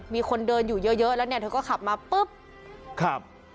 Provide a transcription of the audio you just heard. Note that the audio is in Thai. มีคนเดินอยู่เยอะแล้วเนี่ยเธอก็ขับมาปุ๊บ